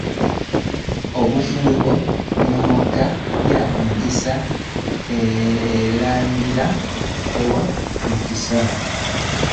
Obufumbo nnoga ya mukisa eramira wa mukisa.